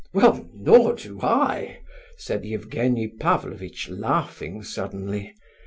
"Well, nor do I!" said Evgenie Pavlovitch, laughing suddenly.